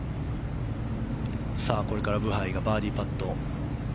これからブハイがバーディーパット。